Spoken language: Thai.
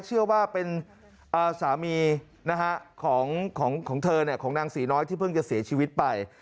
เชื่อว่าเป็นสามีของเธอของนางศรีน้อยที่เพิ่งจะเสียชีวิตไป